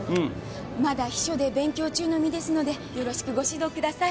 まだ秘書で勉強中の身ですのでよろしくご指導ください